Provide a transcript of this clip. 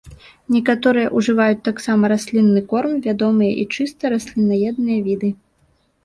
Некаторыя ўжываюць таксама раслінны корм, вядомыя і чыста раслінаедныя віды.